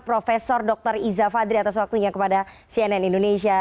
prof dr iza fadri atas waktunya kepada cnn indonesia